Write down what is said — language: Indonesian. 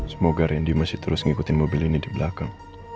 semoga randy masih terus ngikutin mobil ini di belakang